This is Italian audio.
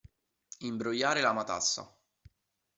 Imbrogliare la matassa.